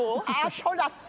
そうだった？